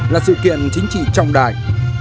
là sự kiện chính trị trong đài